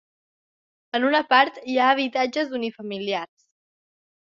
En una part hi ha habitatges unifamiliars.